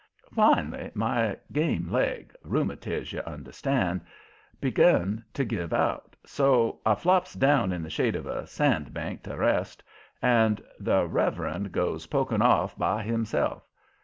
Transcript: Finally, my game leg rheumatiz, you understand begun to give out. So I flops down in the shade of a sand bank to rest, and the reverend goes poking off by himself.